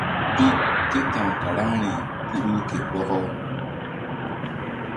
Pi ke ta̧w karaŋri Kuɗu ke Bɔkɔ.